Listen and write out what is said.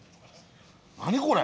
何これ？